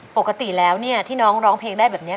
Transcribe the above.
ปกติแล้วเนี่ยที่น้องร้องเพลงได้แบบนี้